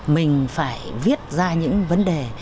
mình phải viết ra những vấn đề